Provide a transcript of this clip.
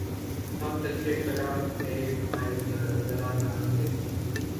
ہم تلخیِ کلام پہ مائل ذرا نہ تھے